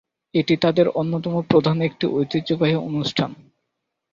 এটি তাদের অন্যতম প্রধান একটি ঐতিহ্যবাহী অনুষ্ঠান।